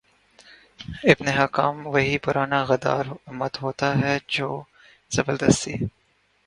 ابن حکام وہی پرانا غدار امت ہوتا ہے جو زبردستی